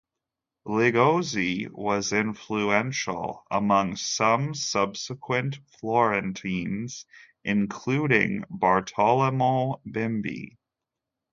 Ligozzi was influential among some subsequent Florentines including Bartolomeo Bimbi.